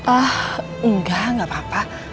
ah engga gapapa